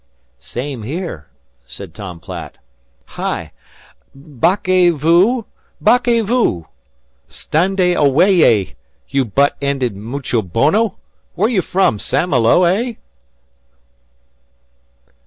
"Same here," said Tom Platt. "Hi! Backez vous backez vous! Standez awayez, you butt ended mucho bono! Where you from St. Malo, eh?"